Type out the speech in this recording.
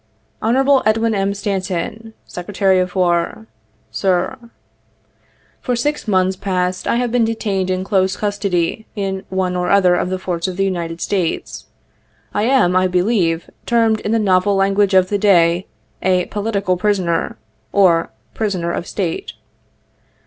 Hon. EDWIN M. STANTON, Sec'?/ of War, " Sir :" For six months past I have been detained in close custody in one or other of the Forts of the United States. I am, I believe, termed, in the novel language of the day, a " political prisoner," or "prisoner of State."